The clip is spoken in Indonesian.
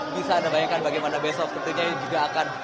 bisa anda bayangkan bagaimana besok tentunya juga akan